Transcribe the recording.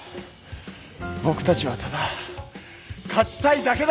僕たちはただ勝ちたいだけだ！